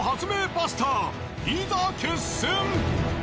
バスターいざ決戦。